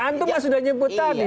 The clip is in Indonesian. antumah sudah nyebut tadi